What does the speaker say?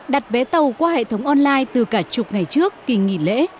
đặt vé tàu qua hệ thống online từ cả chục ngày trước kỳ nghỉ lễ